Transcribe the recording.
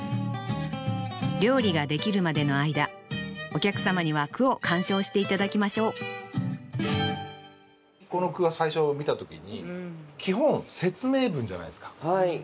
料理ができるまでの間お客様には句を鑑賞して頂きましょうこの句は最初見た時に基本説明文じゃないですか。